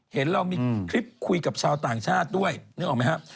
เห็นเรามีคลิปคุยกับชาวต่างชาติด้วยนึกออกไหมครับ